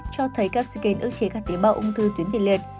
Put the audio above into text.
cho thấy cắp sạc kênh ức chế các tế bào ung thư tuyến tiền liệt